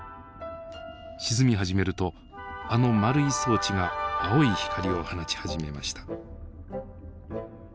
沈み始めるとあの丸い装置が青い光を放ち始めました。